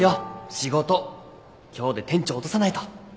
今日で店長落とさないと。